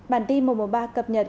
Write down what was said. bản tin một trăm một mươi ba cập nhật